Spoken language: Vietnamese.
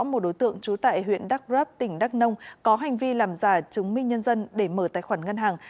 một đối tượng trú tại huyện đắk rấp tỉnh đắk nông có hành vi làm giả chứng minh nhân dân để mở tài khoản ngân hàng